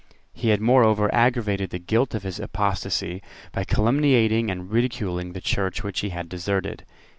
He had moreover aggravated the guilt of his apostasy by calumniating and ridiculing the Church which he had deserted.